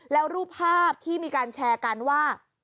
แล้วรูปภาพที่มีการแชร์กันว่า